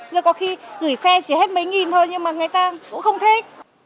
giờ có khi gửi xe chỉ hết mấy nghìn thôi nhưng mà người ta cũng không thấy